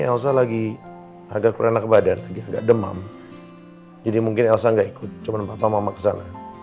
elsa lagi agak beranak badan agak demam jadi mungkin elsa nggak ikut cuma papa mama kesana